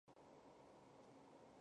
达到了顶点。